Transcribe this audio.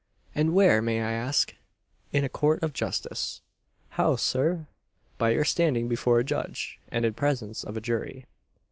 And where, may I ask?" "In a court of justice." "How, sir?" "By your standing before a judge, and in presence of a jury."